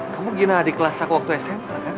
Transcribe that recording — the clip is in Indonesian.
kamu gina adik kelas aku waktu sma kan